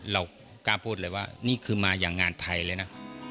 เรากล้าพูดเลยว่านี่คือมาอย่างงานไทยเลยนะ